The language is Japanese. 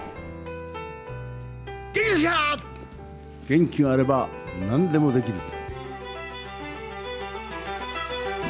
元気があれば何でもできる。